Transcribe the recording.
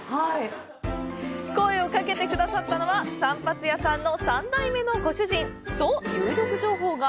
声をかけてくださったのは、散髪屋さんの３代目のご主人。と、有力情報が！